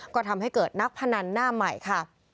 ก็ทำให้เกิดนักพนันหน้าใหม่ค่ะ